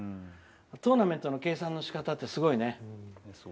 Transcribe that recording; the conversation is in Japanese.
トーナメントの計算のしかたってすごいね。